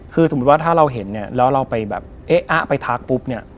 คือสมมุติว่าถ้าเราเห็นเนี่ยแล้วเราไปแบบเอ๊ะอะไปทักปุ๊บเนี่ย